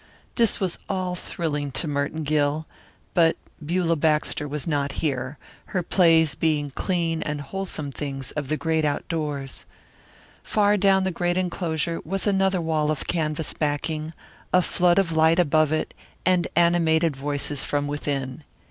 This was all thrilling to Merton Gill; but Beulah Baxter was not here, her plays being clean and wholesome things of the great outdoors. Far down the great enclosure was another wall of canvas backing, a flood of light above it and animated voices from within.